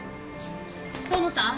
遠野さん